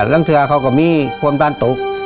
ล้างเทือเขาก็มีความต้านตก